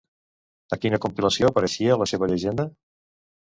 A quina compilació apareixia, la seva llegenda?